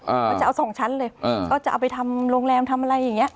มันจะเอาสองชั้นเลยอ่าก็จะเอาไปทำโรงแรมทำอะไรอย่างเงี้